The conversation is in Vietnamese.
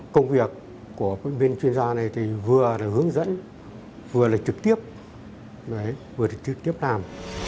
công việc của bên chuyên gia này thì vừa là hướng dẫn vừa là trực tiếp vừa là trực tiếp làm